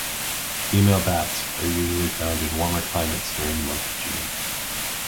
Female bats are usually found in warmer climates during the month of June.